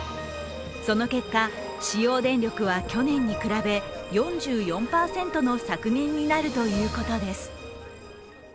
その結果、使用電力は去年に比べ４４％の削減になるということです。